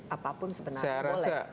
apapun sebenarnya boleh